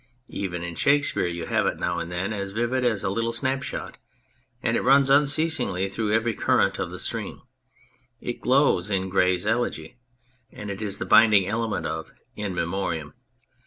Even in Shakespeare you have it now and then as vivid as a little snapshot, and it runs unceasingly through every current of the stream ; it glows in Gray's Elegy, and it is the binding element of In Memoriam.